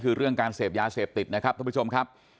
คือเรื่องการเสพยาเสพติดนะครับท่านผู้ชมครับ